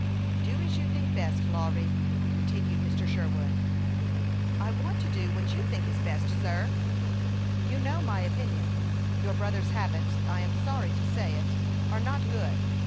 " Do as you think best, Lawry," continued Mr. Sherwood. " I want to do what you think is best, sir." " You know my opinion. Your brother's habits I am sorry to say it are not good.